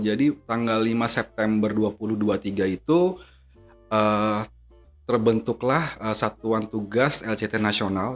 jadi tanggal lima september dua ribu dua puluh tiga itu terbentuklah satuan tugas lct nasional